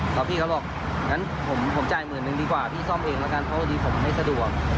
แล้วพี่เขาบอกงั้นผมจ่าย๑๐๐๐๐ดีกว่าพี่ซ่อมเองละกันเพราะวันนี้ผมไม่สะดวก